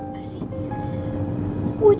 apa nih anak takut